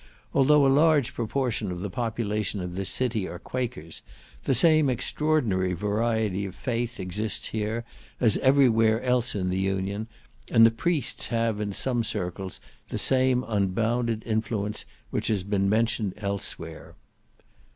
Although a large proportion of the population of this city are Quakers, the same extraordinary variety of faith exists here, as every where else in the Union, and the priests have, in some circles, the same unbounded influence which has been mentioned elsewhere.